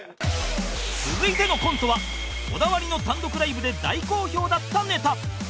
続いてのコントはこだわりの単独ライブで大好評だったネタ